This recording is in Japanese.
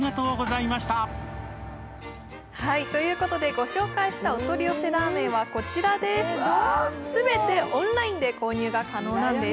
ご紹介したお取り寄せラーメンは、全てオンラインで購入が可能なんです。